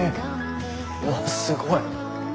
うわっすごい！